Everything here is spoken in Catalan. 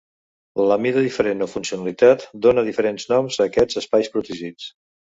La mida diferent o funcionalitat dóna diferents noms a aquests espais protegits.